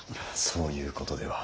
そういうことでは。